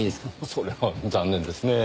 それは残念ですねぇ。